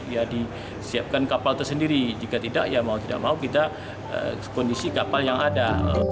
ya disiapkan kapal tersendiri jika tidak ya mau tidak mau kita kondisi kapal yang ada